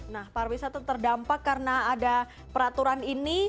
nah pariwisata terdampak karena ada peraturan ini